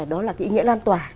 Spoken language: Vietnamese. đó là cái ý nghĩa lan tỏa